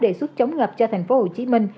đề xuất chống ngập cho tp hcm